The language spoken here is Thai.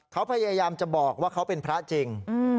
เขาพยายามจะบอกว่าเขาเป็นพระจริง